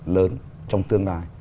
lớn trong tương lai